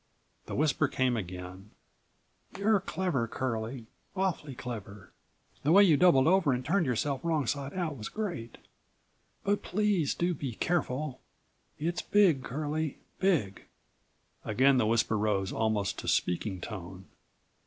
The whisper came again: "You're clever, Curlie, awfully clever. The way you doubled over and turned yourself wrong side out was53 great! But please do be careful. It's big, Curlie, big!" again the whisper rose almost to speaking tone.